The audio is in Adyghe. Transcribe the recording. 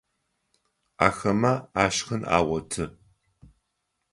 Ахэмэ ашхын агъоты.